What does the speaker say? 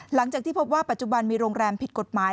หลังจากที่พบว่าปัจจุบันมีโรงแรมผิดกฎหมาย